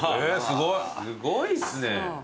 すごいですね。